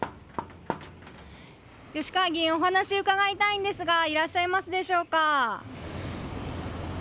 吉川議員お話を伺いたいんですがいらっしゃいますでしょうか。